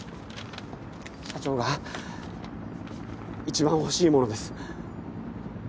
社長が一番欲しいものです。